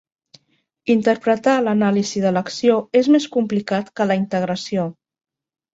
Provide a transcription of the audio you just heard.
Interpretar l'anàlisi d'elecció és més complicat que la integració.